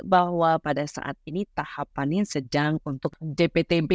bahwa pada saat ini tahapan ini sedang untuk dptb